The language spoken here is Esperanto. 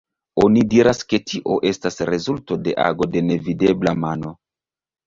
Oni diras, ke tio estas rezulto de ago de nevidebla mano.